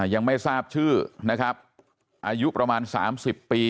อ่ายังไม่ทราบชื่อนะครับอายุประมาณสามสิบปี